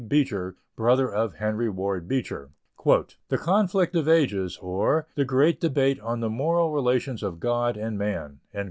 Beecher, brother of Henry Ward Beecher, "The Conflict of Ages; or, the Great Debate on the Moral Relations of God and Man."